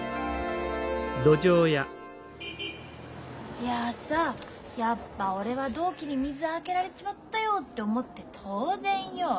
いやさやっぱ俺は同期に水あけられちまったよって思って当然よ。